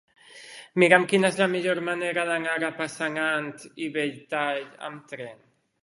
Mira'm quina és la millor manera d'anar a Passanant i Belltall amb tren.